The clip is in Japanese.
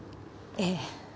ええ。